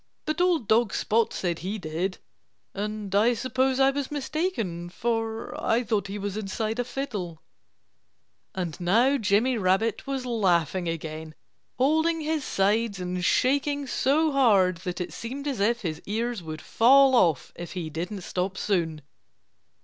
But old dog Spot said he did. And I suppose I was mistaken, for I thought he was inside a fiddle." And now Jimmy Rabbit was laughing again, holding his sides and shaking so hard that it seemed as if his ears would fall off if he didn't stop soon.